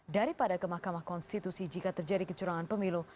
daripada ke mahkamah konstitusi jika terjadi kecurangan pemilu